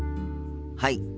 はい。